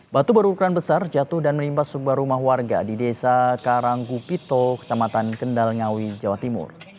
batu berukuran besar jatuh dan menimpa sebuah rumah warga di desa karangkupito kecamatan kendal ngawi jawa timur